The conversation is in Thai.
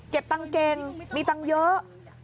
เก็บตังเกงมีตังเยอะ